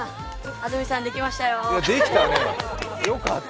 安住さん、できたよ。